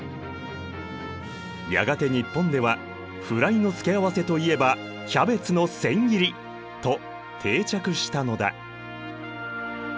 やがて日本ではフライの付け合わせといえばキャベツの千切り！と定着したのだ。